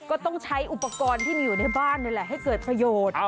ก็ต้องใช้อุปกรณ์ที่มีอยู่ในบ้านนี่แหละให้เกิดประโยชน์